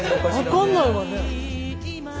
分かんないわね。